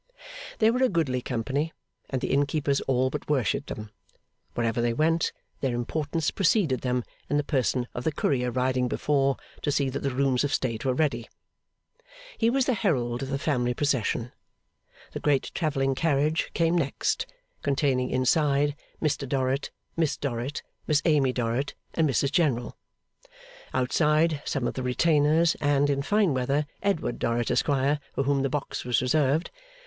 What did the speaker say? They were a goodly company, and the Innkeepers all but worshipped them. Wherever they went, their importance preceded them in the person of the courier riding before, to see that the rooms of state were ready. He was the herald of the family procession. The great travelling carriage came next: containing, inside, Mr Dorrit, Miss Dorrit, Miss Amy Dorrit, and Mrs General; outside, some of the retainers, and (in fine weather) Edward Dorrit, Esquire, for whom the box was reserved.